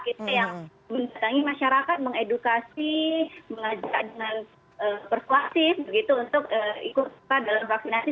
kita yang mencintai masyarakat mengedukasi mengajak dengan persuasi untuk ikut kita dalam vaksinasi